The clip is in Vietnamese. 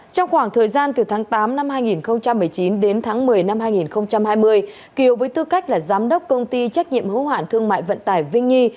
trong khoảng thời gian từ tháng tám năm hai nghìn một mươi chín đến tháng một mươi năm hai nghìn hai mươi kiều với tư cách là giám đốc công ty trách nhiệm hữu hạn thương mại vận tải vinh nhi